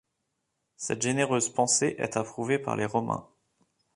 Cette généreuse pensée est approuvée par les Romains.